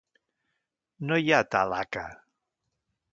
No hi ha tal haca.